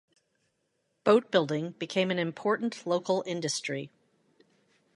Boat building became an important local industry.